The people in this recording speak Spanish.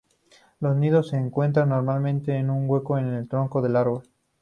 Los nidos se encuentran normalmente en un hueco en el tronco del árbol.